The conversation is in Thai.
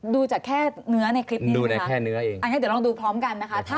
ดูจากแค่เนื้อในคลิปนี้ไม่เป็นไหมครับอย่างนั้นเดี๋ยวลองดูพร้อมกันนะคะ